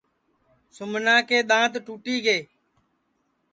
سُمنا کے دؔانٚت ٹُوٹی گے